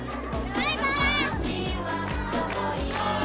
バイバーイ！